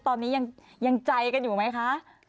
ตอนนี้ยังใจกันอยู่ไหมคะ